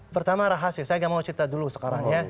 pertama rahasia saya gak mau cerita dulu sekarang ya